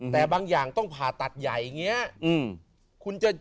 แต่บางอย่างต้องผ่าตัดใหญ่อย่างนี้